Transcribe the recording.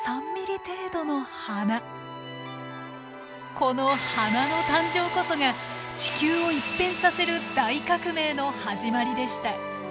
この花の誕生こそが地球を一変させる大革命の始まりでした。